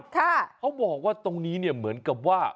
เขาบอกว่าตรงนี้เนี่ยเหมือนกับว่า